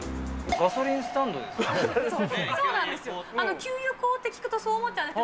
ガソリンスタンドですか？